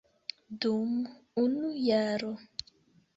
Dum unu jaro.